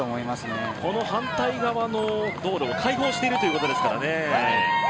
反対側の道路を開放しているということですからね。